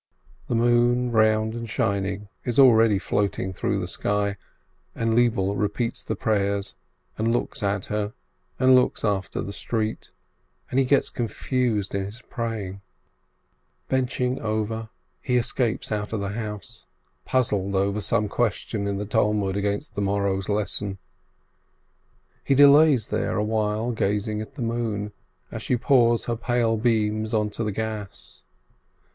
The moon, round and shining, is already floating through the sky, and Lebele repeats the prayers, and looks at her, and longs after the street, and he gets confused in his praying. 388 EAISIN Prayers over, he escapes out of the house, puzzling over some question in the Talmud against the morrow's lesson. He delays there a while gazing at the moon, as she pours her pale beams onto the Gass.